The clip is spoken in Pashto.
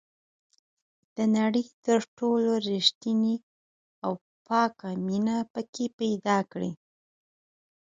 د نړۍ تر ټولو ریښتینې او پاکه مینه پکې پیدا کړئ.